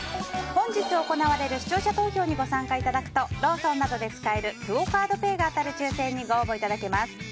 本日行われる視聴者投票にご参加いただくとローソンなどで使えるクオ・カードペイが当たる抽選にご応募いただけます。